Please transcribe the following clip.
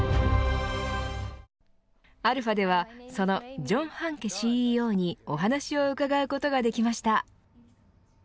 αではそのジョン・ハンケＣＥＯにお話を伺うことができました。